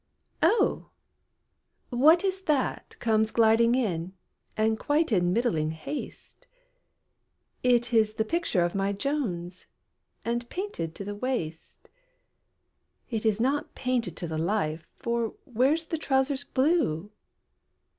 "Oh! what is that comes gliding in, And quite in middling haste? It is the picture of my Jones, And painted to the waist. "It is not painted to the life, For where's the trowsers blue?